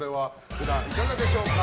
いかがでしょうか。